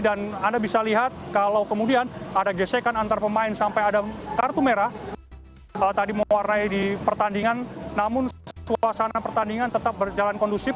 dan anda bisa lihat kalau kemudian ada gesekan antara pemain sampai ada kartu merah tadi mewarnai di pertandingan namun suasana pertandingan tetap berjalan kondusif